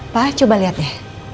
pak coba liat ya